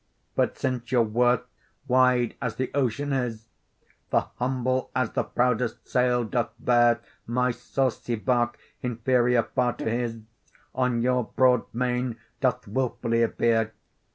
But since your wort, wide as the ocean is, The humble as the proudest sail doth bear, My saucy bark, inferior far to his, On your broad main doth wilfully appear.